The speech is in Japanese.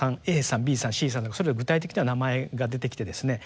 ＢさんＣさんとかそれを具体的な名前が出てきてですね